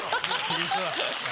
いい人だ。